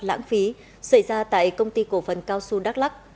lãng phí xảy ra tại công ty cổ phần cao xu đắk lắc